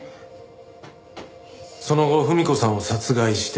その後文子さんを殺害して。